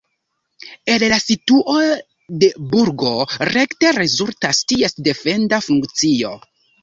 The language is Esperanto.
El la situo de burgo rekte rezultas ties defenda funkcio.